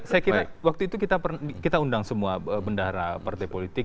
saya kira waktu itu kita undang semua bendahara partai politik